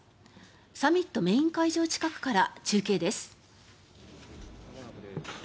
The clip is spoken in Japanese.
サミットメイン会場近くから中継です。